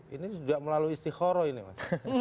ini juga melalui istiqoroh ini mas